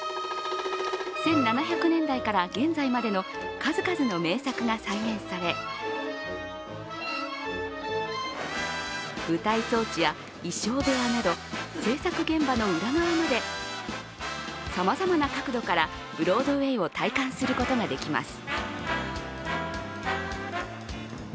１７００年代から現在までの数々の名作が再現され舞台装置や衣装部屋など制作現場の裏側までさまざまな角度からブロードウェイを体感することができます。